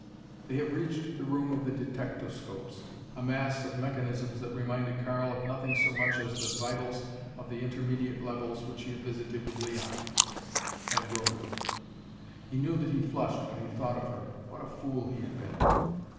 They had reached the room of the detectoscopes a mass of mechanisms that reminded Karl of nothing so much as the vitals of the intermediate levels which he had visited with Leon and Rhoda. He knew that he flushed when he thought of her. What a fool he had been!